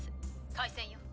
開戦よ。